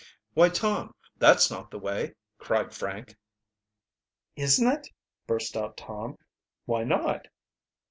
"Why, Tom, that's not the way!" cried Frank. "Isn't it?" burst out Tom. "Why not?"